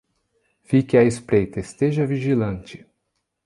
Fique à espreita, esteja vigilante